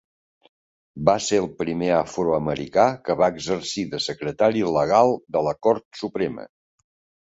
Va ser el primer afroamericà que va exercir de secretari legal de la Cort Suprema.